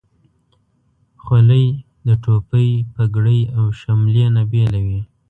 خولۍ د ټوپۍ، پګړۍ، او شملې نه بیله وي.